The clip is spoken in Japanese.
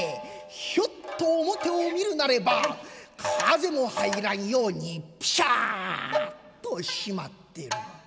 ひょっと表を見るなれば風も入らんようにピシャっと閉まってる。